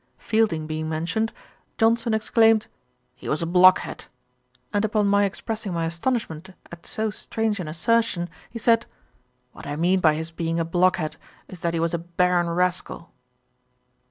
Fielding being mentioned, Johnson exclaimed, 'he was a blockhead;' and upon my expressing my astonishment at so strange an assertion, he said, 'What I mean by his being a blockhead is that he was a barren rascal.'